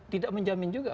tidak menjamin juga